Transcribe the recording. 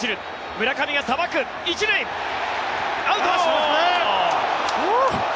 村上がさばく１塁、アウト！